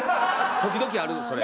時々あるそれ。